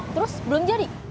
terus belum jadi